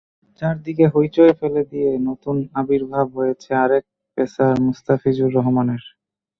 চারদিকে হইচই ফেলে দিয়ে নতুন আবির্ভাব হয়েছে আরেক পেসার মুস্তাফিজুর রহমানের।